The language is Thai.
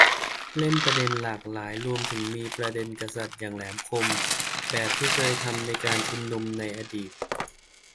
เล่นประเด็นหลากหลาย รวมถึงมีประเด็นกษัตริย์อย่างแหลมคม แบบที่เคยทำในการชุมนุมอดีต